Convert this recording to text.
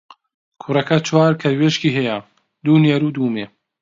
کوڕەکە چوار کەروێشکی هەیە، دوو نێر و دوو مێ.